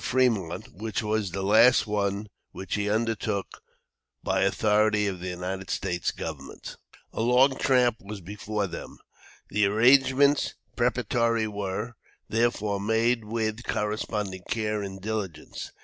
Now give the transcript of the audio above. Fremont, which was the last one which he undertook by authority of the United States government. A long tramp was before them. The arrangements preparatory were, therefore, made with corresponding care and diligence.